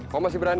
kamu masih berani